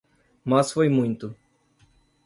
Mas foi muito.